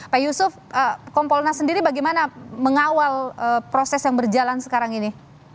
pak yusuf kompolnas sendiri bagaimana mengawal proses yang berjalan sekarang ini